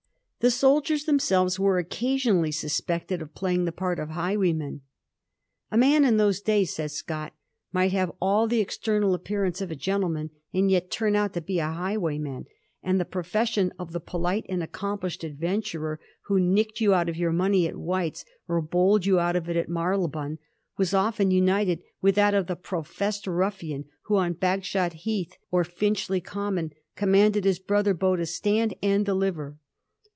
The soldiers themselves were occasion ally suspected of playing the part of highwaymen. * A man in those days,' says Scott, ^ might have all the external appearance of a gentleman, and yet turn out to be a highwayman,' and * the profession of the polite and accomplished adventurer who nicked you out of your money at White's, or bowled you out of it at Marybone, was often united with that of the professed ruffian who, on Bagshot Heath or Finchley Oommon, commanded his brother beau to stand and •deliver.'